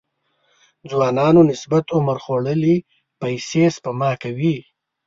ځوانانو نسبت عمر خوړلي پيسې سپما کوي.